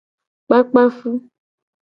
Kpakpa fu.